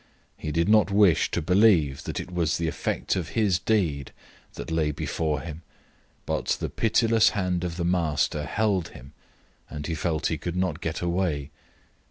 He did not wish to believe that it was the effect of his deed that lay before him, but the pitiless hand of the Master held him and he felt he could not get away.